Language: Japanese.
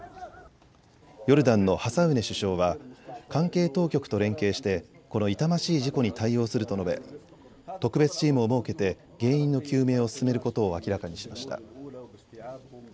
ヨルダンのハサウネ首相は関係当局と連携してこの痛ましい事故に対応すると述べ、特別チームを設けて原因の究明を進めることを明らかにしました。